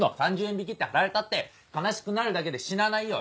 ３０円引きって貼られたって悲しくなるだけで死なないよ！